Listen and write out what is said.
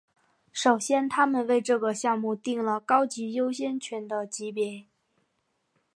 首先他们为这个项目订了高级优先权的级别。